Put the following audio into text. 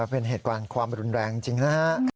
เป็นเหตุการณ์ความรุนแรงจริงนะฮะ